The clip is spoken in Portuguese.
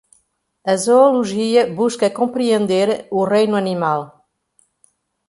A zoologia busca compreender o reino animal